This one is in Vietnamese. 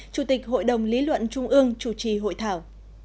chủ tịch hội đồng lý luận trung ương chủ trì hội thảo